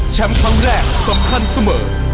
แชมป์ครั้งแรกสำคัญเสมอ